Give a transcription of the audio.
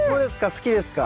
好きですか？